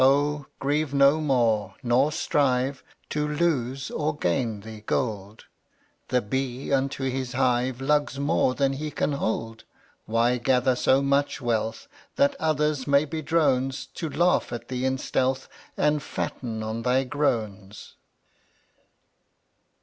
e\m$ fi}Yft.At ^> grieve no more, nor strive, To lose or gain thee gold; (JvC/ The bee unto his hive Lugs more than he can hold. Why gather so much wealth That others may be drones, To laugh at thee in stealth And fatten on thy groans?